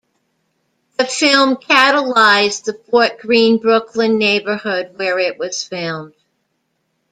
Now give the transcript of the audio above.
The film catalyzed the Fort Greene, Brooklyn neighborhood where it was filmed.